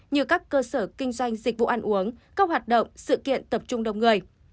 như các cơ sở kinh doanh dịch vụ ăn uống các hoạt động sự kiện tập trung đông người